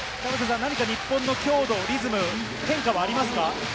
日本の強度、リズム、変化はありますか？